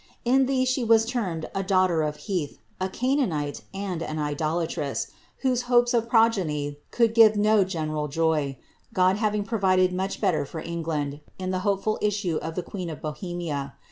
In these she m termed a daughter of Ileth, a Canaanite, and an idolatress, whose bopM of progeny could give no general joy, God having provided much betttr for England, in the hopeful issue of the queen of Bohemia.